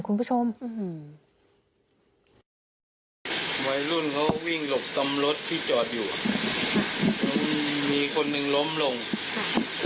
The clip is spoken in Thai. คุณผู้ชมวัยรุ่นเขาวิ่งหลบตำรถที่จอดอยู่อ่ะมันมีคนหนึ่งล้มลงค่ะ